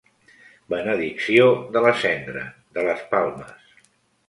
Benedicció de la cendra, de les palmes.